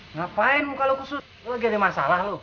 ngapain muka lu kusut lu lagi ada masalah lu